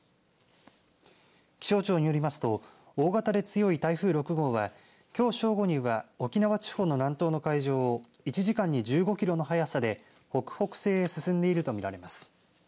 気象庁によりますと大型で強い台風６号はきょう正午には沖縄地方の南東の海上を１時間に１５キロの速さで北北西へ進んでいると見られます。